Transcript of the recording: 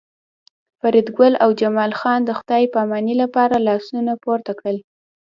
فریدګل او جمال خان د خدای پامانۍ لپاره لاسونه پورته کړل